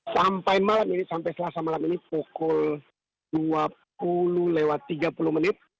sampai malam ini sampai selasa malam ini pukul dua puluh lewat tiga puluh menit